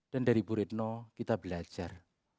dan dari ibu retno kita belajar